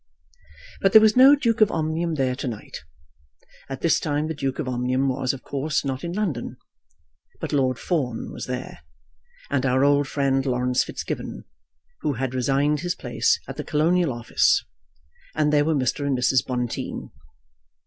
But there was no Duke of Omnium there to night. At this time the Duke of Omnium was, of course, not in London. But Lord Fawn was there; and our old friend Laurence Fitzgibbon, who had resigned his place at the Colonial Office; and there were Mr. and Mrs. Bonteen.